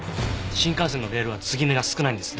新幹線のレールは継ぎ目が少ないんです。